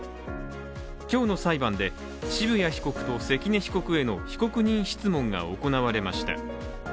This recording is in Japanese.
今日の裁判で渋谷被告と関根被告への被告人質問が行われました。